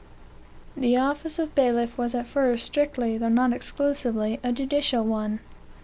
The office of bailiff was at first strictly, though not exclusively, a judicial one.